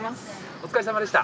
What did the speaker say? お疲れさまでした。